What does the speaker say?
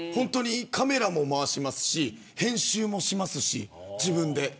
カメラも回しますし編集も自分でしますし。